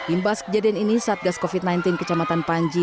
imbas kejadian ini satgas covid sembilan belas kecamatan panji